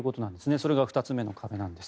それが２つ目の壁なんです。